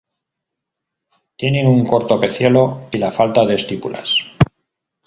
Tienen un corto pecíolo y la falta de estípulas.